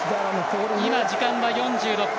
今、時間は４６分。